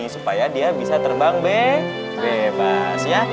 supaya dia bisa terbang b bebas ya